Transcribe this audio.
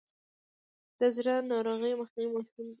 د زړه ناروغیو مخنیوی مهم دی.